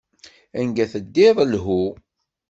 Anga teddiḍ, lhu.